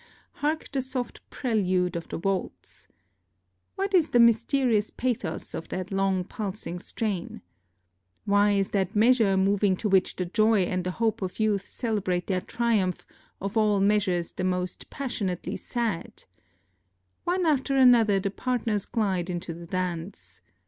Hark the soft prelude of the waltz. What is the mysterious pathos of that long pulsing strain? Why is that measure, moving to which the joy and the hope of youth celebrate their triumph, of all measures the most passionately sad? One after another the partners glide into the dance.